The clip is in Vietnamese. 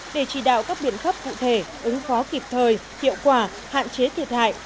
để chỉ đạo các biện khắp thụ thể ứng phó kịp thời hiệu quả hạn chế thiệt hại